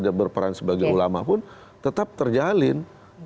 yang punya peran sebagai ulama pun tetap terjalin